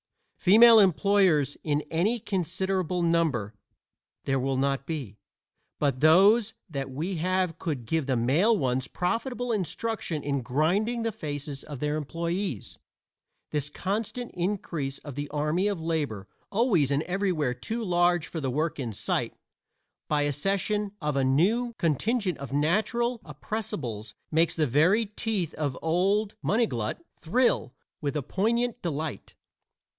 (Female employers in any considerable number there will not be, but those that we have could give the male ones profitable instruction in grinding the faces of their employees.) This constant increase of the army of labor always and everywhere too large for the work in sight by accession of a new contingent of natural oppressibles makes the very teeth of old Munniglut thrill with a poignant delight.